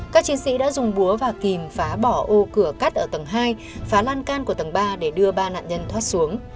các chiến sĩ đã dùng búa và kìm phá bỏ ô cửa cắt ở tầng hai phá lan can của tầng ba để đưa ba nạn nhân thoát xuống